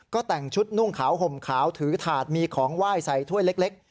ก็แต่งชุดนุ่งขาวห่มขาวถือถาดมีของไหว้ใส่ถ้วยเล็ก